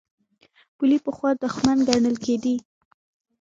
پولې پخوا دښمن ګڼل کېدې.